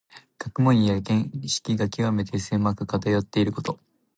学問や見識がきわめて狭く、かたよっていること。